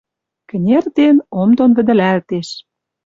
Кӹнертен, ом дон вӹдӹлӓлтеш.